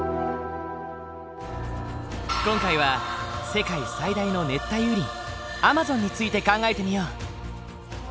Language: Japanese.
今回は世界最大の熱帯雨林アマゾンについて考えてみよう。